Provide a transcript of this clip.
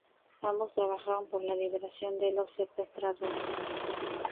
Ambos trabajaron por la liberación de los secuestrados.